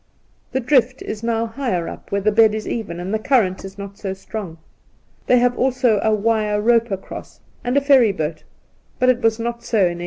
The drift is now higher up, where the bed is even, and the current is not so strong. They have also a wire rope across, and a ferry boat ; but it was not so in '87.